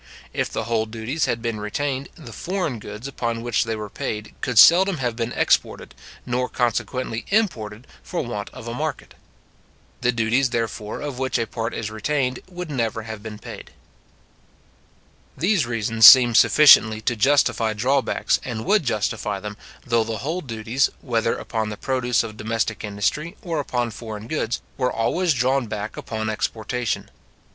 If the whole duties had been retained, the foreign goods upon which they are paid could seldom have been exported, nor consequently imported, for want of a market. The duties, therefore, of which a part is retained, would never have been paid. These reasons seem sufficiently to justify drawbacks, and would justify them, though the whole duties, whether upon the produce of domestic industry or upon foreign goods, were always drawn back upon exportation.